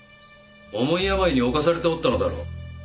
重い病に侵されておったのだろう。